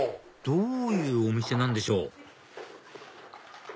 どういうお店なんでしょう？